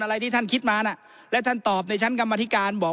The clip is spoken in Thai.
อะไรที่ท่านคิดมาน่ะและท่านตอบในชั้นกรรมธิการบอก